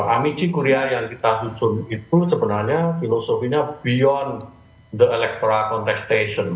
amiji korea yang kita susun itu sebenarnya filosofinya beyond the electra contestation